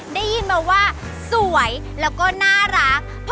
ได้ยินมาว่าสวยแล้วก็น่ารัก